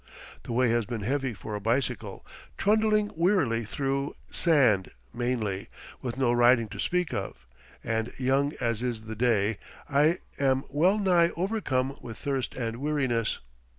The way has been heavy for a bicycle, trundling wearily through sand mainly, with no riding to speak of; and young as is the day, I am well nigh overcome with thirst and weariness.